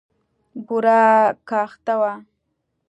بوره کاخته وه.